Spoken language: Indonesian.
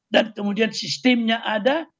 dan kemudian sistemnya ada